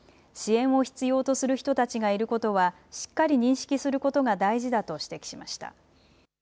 支援を必要とする人たちがいることはしっかり認識することが大事だと指摘しました。